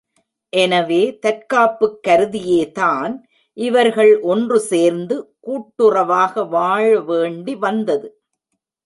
எனவே தற்காப்புக் கருதியேதான் இவர்கள் ஒன்று சேர்ந்து கூட்டுறவாக வாழ வேண்டி வந்தது.